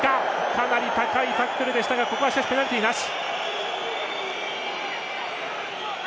かなり高いタックルでしたがここはペナルティなし。